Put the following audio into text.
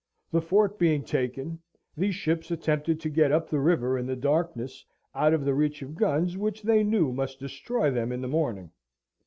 The fort being taken, these ships attempted to get up the river in the darkness, out of the reach of guns which they knew must destroy them in the morning.